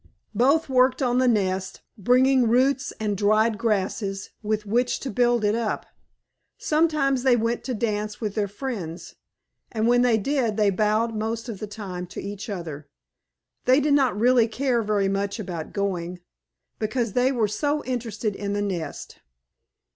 Both worked on the nest, bringing roots and dried grasses with which to build it up. Sometimes they went to dance with their friends, and when they did they bowed most of the time to each other. They did not really care very much about going, because they were so interested in the nest.